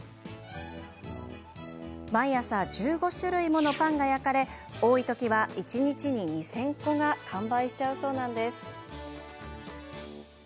毎朝１５種類ものパンが焼かれ多い時は一日に２０００個が完売しちゃうそうなんです。